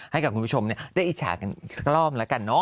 ให้กับคุณผู้ชมได้อิจฉากันอีกสักรอบแล้วกันเนอะ